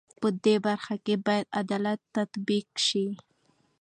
په دې برخه کې بايد عدالت تطبيق شي.